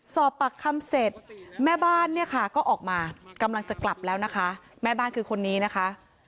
สอบปากคำเสร็จแม่บ้านเนี่ยค่ะก็ออกมากำลังจะกลับแล้วนะคะแม่บ้านคือคนนี้นะคะ